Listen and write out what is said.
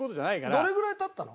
どれぐらい経ったの？